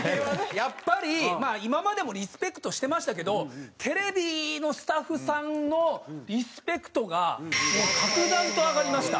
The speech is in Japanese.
やっぱり今までもリスペクトしてましたけどテレビのスタッフさんのリスペクトがもう格段と上がりました。